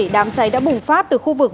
đám cháy đã bùng phát từ khu vực